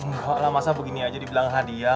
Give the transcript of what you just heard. pokoknya masa begini aja dibilang hadiah